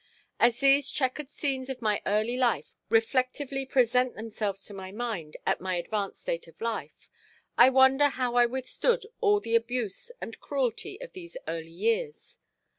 As these checkered scenes of my early life reflectively present themselves to my mind at my advanced state of life, I wonder how I withstood all the abuse and cruelty of these early years.